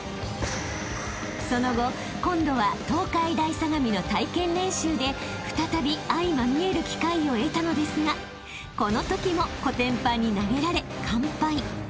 ［その後今度は東海大相模の体験練習で再び相まみえる機会を得たのですがこのときもこてんぱんに投げられ完敗］